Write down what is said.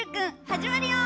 始まるよ！